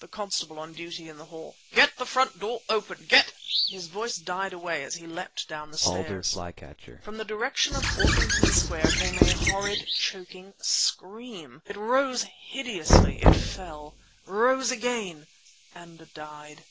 (the constable on duty in the hall)—"Get the front door open! Get..." His voice died away as he leapt down the stairs. From the direction of Orpington Square came a horrid, choking scream. It rose hideously; it fell, rose again—and died.